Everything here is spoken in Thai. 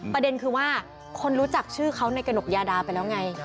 ประเด็นคือว่าคนรู้จักชื่อเขาในกระหนกยาดาไปแล้วไง